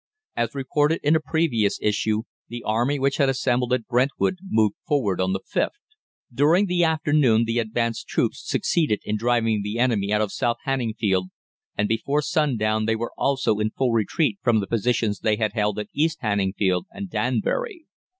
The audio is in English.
As reported in a previous issue, the Army which had assembled at Brentwood moved forward on the 5th. "During the afternoon the advanced troops succeeded in driving the enemy out of South Hanningfield, and before sundown they were also in full retreat from the positions they had held at East Hanningfield and Danbury.